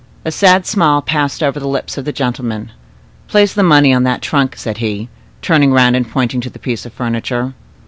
A sad smile passed over the lips of the gentleman. "Place the money on that trunk," said he, turning round and pointing to the piece of furniture.